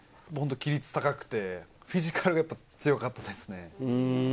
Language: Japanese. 規律高くて、フィジカルが強かったですね。